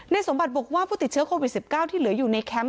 สมบัติบอกว่าผู้ติดเชื้อโควิด๑๙ที่เหลืออยู่ในแคมป์